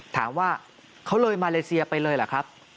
ถามว่าเขาเลยมาเลเซียไปเลยเหรอครับ